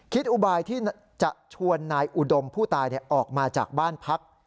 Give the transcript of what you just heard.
อุบายที่จะชวนนายอุดมผู้ตายออกมาจากบ้านพัก